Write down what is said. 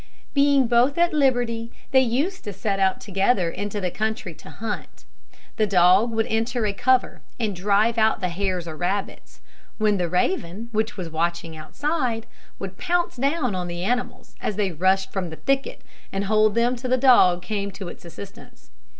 Being both at liberty, they used to set out together into the country to hunt. The dog would enter a cover and drive out the hares or rabbits, when the raven, which was watching outside, would pounce down on the animals as they rushed from the thicket, and hold them till the dog came to its assistance.